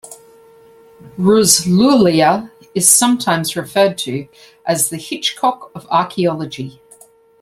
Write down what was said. Ruz Lhuillier is sometimes referred to as the "Hitchcock of Archaeology".